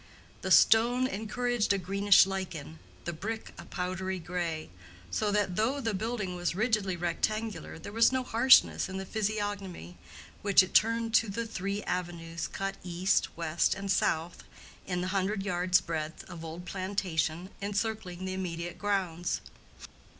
The stone encouraged a greenish lichen, the brick a powdery gray, so that though the building was rigidly rectangular there was no harshness in the physiognomy which it turned to the three avenues cut east, west and south in the hundred yards' breadth of old plantation encircling the immediate grounds.